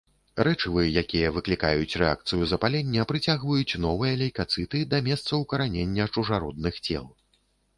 Рэчывы, якія выклікаюць рэакцыю запалення, прыцягваюць новыя лейкацыты да месца ўкаранення чужародных цел.